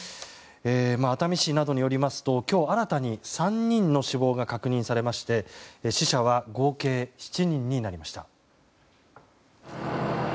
熱海市などによりますと今日新たに３人の死亡が確認されまして死者は合計７人になりました。